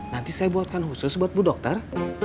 nanti saya buatkan khusus buat bu dokter